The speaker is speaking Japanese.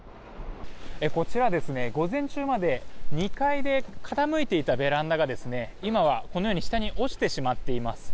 こちら、午前中まで２階で傾いていたベランダが今は、このように下に落ちてしまっています。